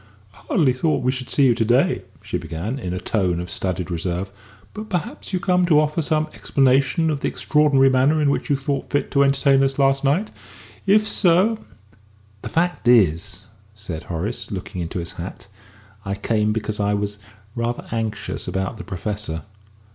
"I hardly thought we should see you to day," she began, in a tone of studied reserve; "but perhaps you came to offer some explanation of the extraordinary manner in which you thought fit to entertain us last night? If so " "The fact is," said Horace, looking into his hat, "I came because I was rather anxious about the Professor.